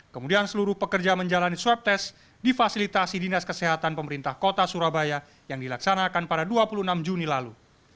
kemudian seluruh pekerja menjalani swab test di fasilitasi dinas kesehatan pemerintah kota surabaya yang dilaksanakan pada dua puluh enam juni lalu